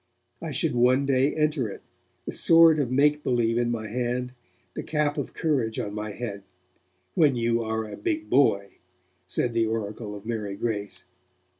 I should one day enter it, the sword of make believe in my hand, the cap of courage on my head, 'when you are a big boy', said the oracle of Mary Grace.